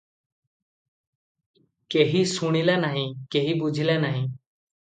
କେହି ଶୁଣିଲା ନାହିଁ- କେହି ବୁଝିଲା ନାହିଁ